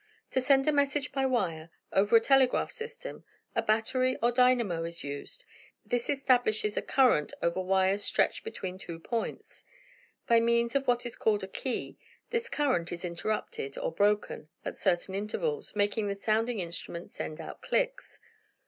"To send a message by wire, over a telegraph system, a battery or dynamo is used. This establishes a current over wires stretched between two points. By means of what is called a 'key' this current is interrupted, or broken, at certain intervals, making the sounding instrument send out clicks.